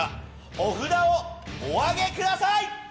お札をお挙げください！